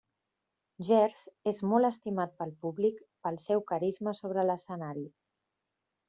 Gers és molt estimat pel públic pel seu carisma sobre l'escenari.